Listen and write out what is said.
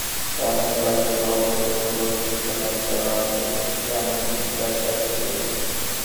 Torrens Park is also the location of the Mitcham Square Shopping Centre.